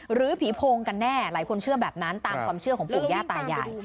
หรือผีโพงกันแน่หลายคนเชื่อแบบนั้นตามความเชื่อของปู่ย่าตายาย